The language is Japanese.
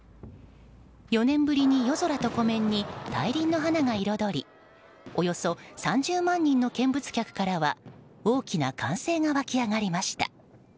４年ぶりに夜空と湖面に大輪の花が彩りおよそ３０万人の見物客からは大きな歓声が湧き上がりました。